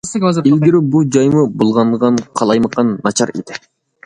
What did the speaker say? ئىلگىرى، بۇ جايمۇ« بۇلغانغان، قالايمىقان، ناچار» ئىدى.